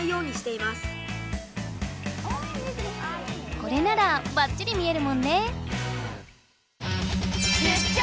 これならばっちり見えるもんね！